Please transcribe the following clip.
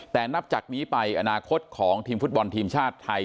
แต่นับจากนี้ไปอนาคตของทีมฟุตบอลทีมชาติไทย